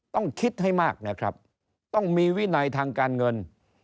ต้องคิดให้มากนะครับต้องมีวินัยทางการเงิน